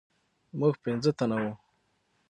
موږ پنځه تنه وو.